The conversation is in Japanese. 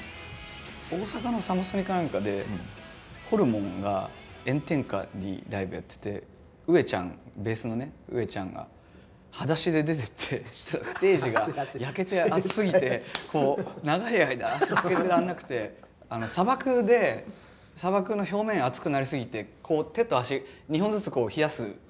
大阪のサマソニか何かでホルモンが炎天下にライブやってて上ちゃんベースのね上ちゃんがはだしで出てってそしたらステージが焼けて熱すぎてこう長い間足つけてらんなくて砂漠で砂漠の表面熱くなりすぎてこう手と足２本ずつ冷やすいるじゃないですか。